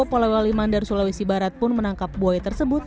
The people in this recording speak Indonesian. pola wali mandar sulawesi barat pun menangkap buaya tersebut